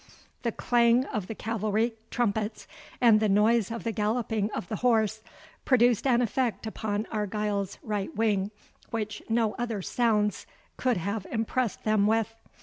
The clang of the cavalry trumpets, and the noise of the galloping of the horse, produced an effect upon Argyle's right wing which no other sounds could have impressed them with.